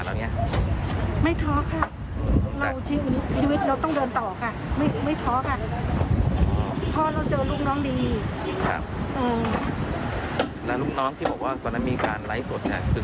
เรื่องเงินเรื่องท้องเป็นอย่างไรบ้างครับ